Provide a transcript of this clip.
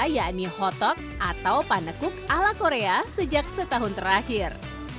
yakni hottock atau panekuk ala korea sejak setahun terakhir